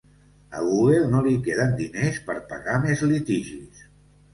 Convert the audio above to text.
A Google no li queden diners per pagar més litigis